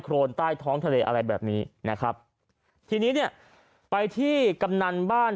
โรนใต้ท้องทะเลอะไรแบบนี้นะครับทีนี้เนี่ยไปที่กำนันบ้าน